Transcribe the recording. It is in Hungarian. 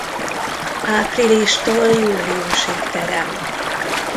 Áprilistól júliusig terem.